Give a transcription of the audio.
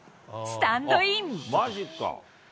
スタンドイン。